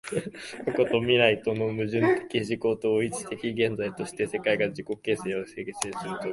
過去と未来との矛盾的自己同一的現在として、世界が自己自身を形成するという時